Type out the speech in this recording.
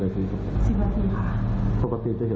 แล้วก็มีน้องอีกคนนึงเขากลับเข้ามา